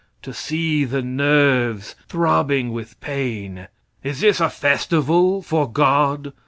To see the nerves throbbing with pain? Is this a festival for "God"?